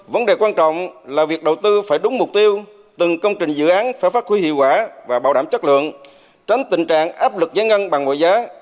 vấn đề quan trọng là việc đầu tư phải đúng mục tiêu từng công trình dự án phải phát huy hiệu quả và bảo đảm chất lượng tránh tình trạng áp lực giá ngân bằng mọi giá